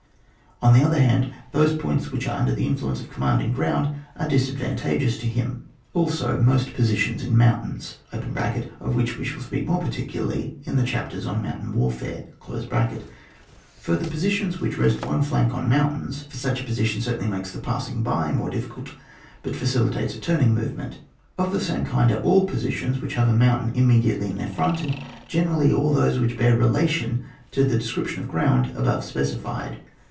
On the other hand, those points which are under the influence of commanding ground are disadvantageous to him ; also most positions in mountains (of which we shall speak more particularly in the chap ters on mountain warfare). Further, posi tions which rest one flank on mountains, for such a position certainly makes the passing hy more difficult, but facilitates a turning movement. Of the same kind are all positions which have a mountain im mediately in their front, and generally all those which bear relation to the des cription of ground above specified.